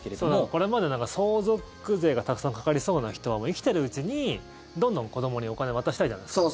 これまで、相続税がたくさんかかりそうな人は生きてるうちにどんどん子どもにお金を渡したいじゃないですか。